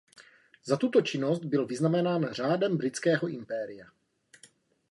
Za tuto činnost byl vyznamenán řádem Britského impéria.